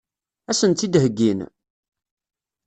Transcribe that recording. Ad sen-tt-id-heggin?